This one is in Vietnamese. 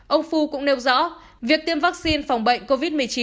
ông fu cũng nêu rõ việc tiêm vaccine phòng bệnh covid một mươi chín